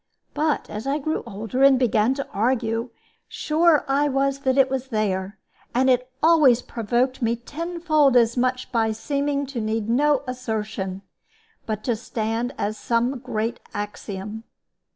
But as I grew older and began to argue, sure I was that it was there; and it always provoked me tenfold as much by seeming to need no assertion, but to stand as some great axiom.